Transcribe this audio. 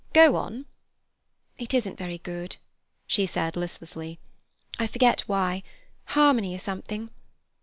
"Go on." "It isn't very good," she said listlessly. "I forget why—harmony or something."